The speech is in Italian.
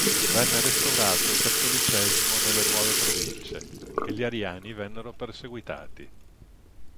Venne restaurato il cattolicesimo nelle nuove province e gli Ariani vennero perseguitati.